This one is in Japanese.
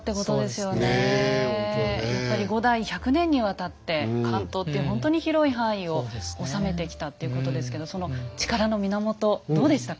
やっぱり５代１００年にわたって関東っていうほんとに広い範囲を治めてきたっていうことですけどその力の源どうでしたか？